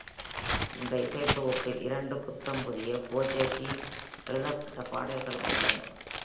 இந்த இசைத்தொகுப்பில் இரண்டு புத்தம்புதிய, Fogertyஆல் எழுதப்பட்ட பாடல்களும் உள்ளன.